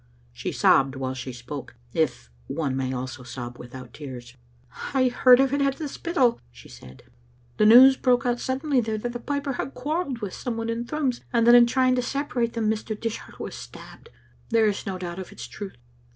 She sobbed while she spoke, if one may sob without tears. " I heard of it at the Spittal," she said. " The news broke out suddenly there that the piper had quarrelled with some one in Thrums, and that in trying to separate them Mr. Dishart was stabbed. There is no doubt of its truth."